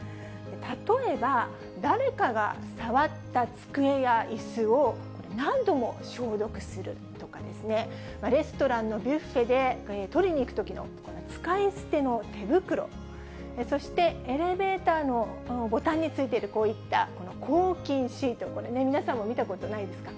例えば、誰かが触った机やいすを、何度も消毒するとかですね、レストランのビュッフェで、取りに行くときの使い捨ての手袋、そして、エレベーターのこのボタンについているこういった抗菌シート、これね、皆さんも見たことないですか。